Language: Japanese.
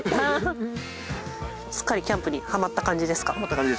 すっかりキャンプにハマった感じですか？